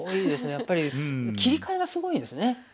やっぱり切り替えがすごいんですね